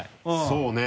そうね。